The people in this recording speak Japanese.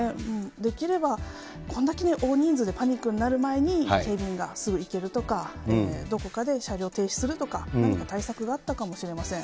できれば、こんだけ大人数でパニックになる前に、警備員がすぐ行けるとか、どこかで車両を停止するとか、何か対策があったかもしれません。